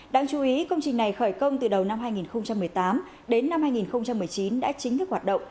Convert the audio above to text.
đáng chú ý công trình này khởi công từ đầu năm hai nghìn một mươi tám đến năm hai nghìn một mươi chín đã chính thức hoạt động